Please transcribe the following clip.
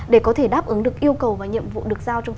để có thể đáp ứng được yêu cầu và ý kiến của các vị khách mời